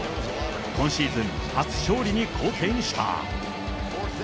今シーズン初勝利に貢献した。